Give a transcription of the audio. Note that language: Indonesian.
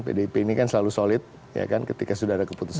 pdip ini kan selalu solid ya kan ketika sudah ada keputusan